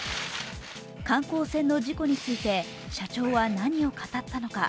観光船の事故について社長は何を語ったのか。